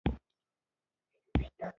بنسټپاله روحیه غښتلې کېږي.